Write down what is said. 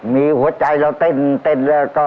มีหัวใจเราเต้นแล้วก็